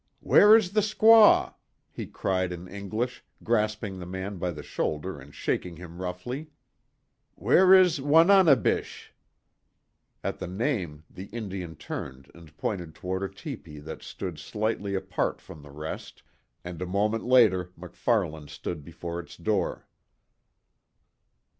"Where is the squaw?" he cried in English, grasping the man by the shoulder and shaking him roughly, "Where is Wananebish?" At the name, the Indian turned and pointed toward a tepee that stood slightly apart from the rest, and a moment later MacFarlane stood before its door.